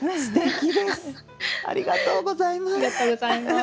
ありがとうございます。